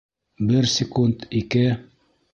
Бер секунд, ике...